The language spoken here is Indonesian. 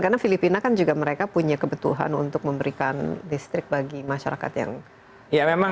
karena filipina kan juga mereka punya kebutuhan untuk memberikan listrik bagi masyarakat yang ekonomi yang lemah